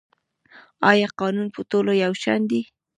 آیا قانون په ټولو یو شان دی؟